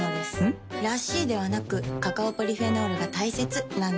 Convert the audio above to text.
ん？らしいではなくカカオポリフェノールが大切なんです。